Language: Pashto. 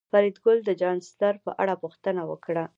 فریدګل د چانسلر په اړه پوښتنه وکړه